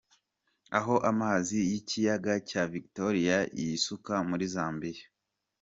Aho amazi y’ikiyaga cya Victoria yisuka muri Zambia.